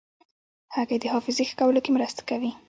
هګۍ د حافظې ښه کولو کې مرسته کوي.